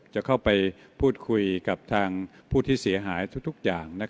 จะเข้าไปพูดคุยกับทางผู้ที่เสียหายทุกอย่าง